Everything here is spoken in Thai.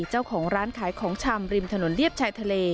เจ้าของร้านขายของชำริมถนนเรียบชายทะเล